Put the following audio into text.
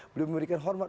beliau memberikan hormat